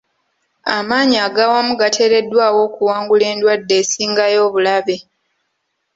Amaanyi agawamu gateereddwawo okuwangula endwadde esingayo obulabe.